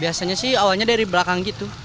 biasanya sih awalnya dari belakang gitu